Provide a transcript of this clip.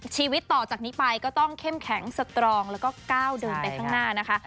ชีวิตต่อจากนี้ไปก็ต้องเข้มแข็งสตรองแล้วก็ก้าวเดินไปข้างหน้านะคะ